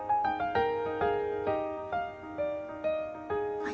はい。